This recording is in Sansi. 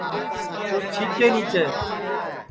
اُس چھیکے کے نیچے